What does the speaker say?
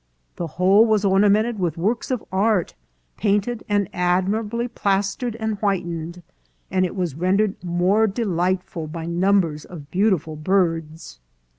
The whole was ornamented with works of art painted, and admirably plastered and whitened, and it was ren dered more delightful by numbers of beautiful birds."